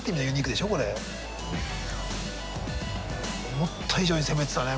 思った以上に攻めてたね